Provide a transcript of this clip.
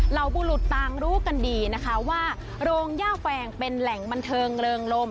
บุรุษต่างรู้กันดีนะคะว่าโรงย่าแฟงเป็นแหล่งบันเทิงเริงลม